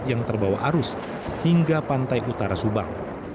yang terbawa arus hingga pantai utara subang